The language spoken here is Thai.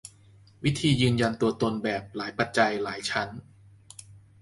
วิธียืนยันตัวตนแบบ "หลายปัจจัย" หลายชั้น